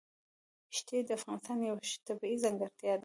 ښتې د افغانستان یوه طبیعي ځانګړتیا ده.